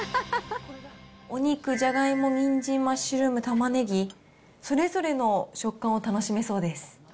お肉、ジャガイモ、ニンジン、マッシュルーム、たまねぎ、それぞれの食感を楽しめそうです。